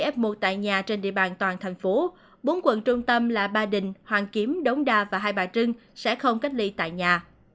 f một tại nhà trên địa bàn toàn thành phố bốn quận trung tâm là ba đình hoàng kiếm đống đa và hai bà trưng sẽ không cách ly tại nhà